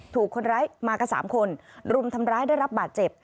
ถูกคนร้ายมากับ๓คนรุมทำร้ายได้รับบาดเจ็บ